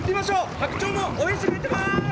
白鳥も応援してくれてまーす。